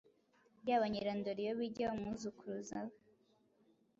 Yaba Nyirandoriyobijya, umwuzukuruza we,